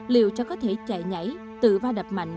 liệu cháu có thể chạy nhảy tự va đập mạnh